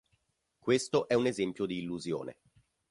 Questo è un esempio di illusione.